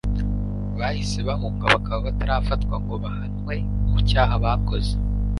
bahise bahunga bakaba batarafatwa ngo bahanwe ku cyaha bakoze